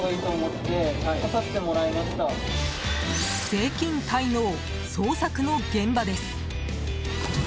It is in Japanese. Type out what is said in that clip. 税金滞納、捜索の現場です。